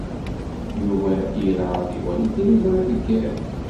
Yuba ira ad iwali tiliẓri deg yiḍ.